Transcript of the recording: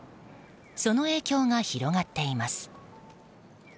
その影響が広がっています。